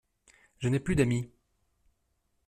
Je n’ai plus d’amis!